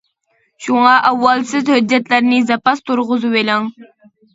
شۇڭا ئاۋۋال سىز ھۆججەتلەرنى زاپاس تۇرغۇزۇۋېلىڭ.